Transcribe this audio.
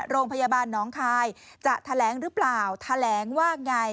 โรงพยาบาลน้องคายจะแถลงหรือเปล่าแถลงว่าไง